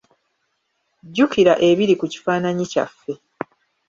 Jjukira ebiri ku kifaananyi kyaffe.